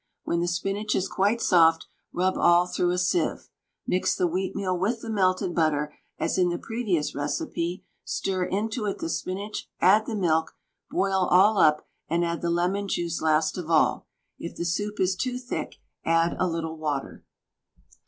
When the spinach is quite soft, rub all through a sieve. Mix the wheatmeal with the melted butter as in the previous recipe, stir into it the spinach, add the milk; boil all up, and add the lemon juice last of all. If the soup is too thick, add a little water.